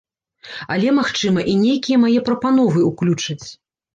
Але, магчыма, і нейкія мае прапановы ўключаць.